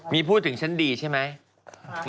มีพูดถึงชั้นดีใช่ไหม